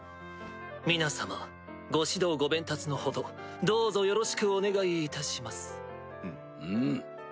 皆様ご指導ご鞭撻のほどどうぞよろしくお願いいたします。